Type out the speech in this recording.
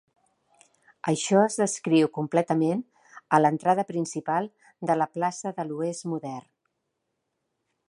Això es descriu completament a l'entrada principal de la plaça de l'oest modern.